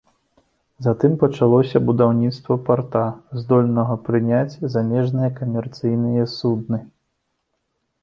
Затым пачалося будаўніцтва парта, здольнага прыняць замежныя камерцыйныя судны.